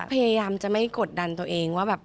พยายามจะไม่กดดันตัวเองว่าแบบ